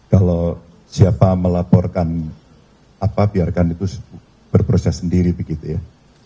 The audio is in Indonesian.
kalau siapa melaporkan apa biarkan itu berproses sendiri begitu ya